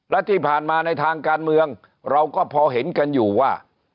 และที่ผ่านมาในทางการเมืองเราก็พอเห็นกันอยู่ว่า